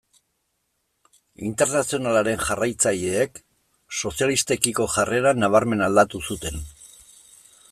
Internazionalaren jarraitzaileek sozialistekiko jarrera nabarmen aldatu zuten.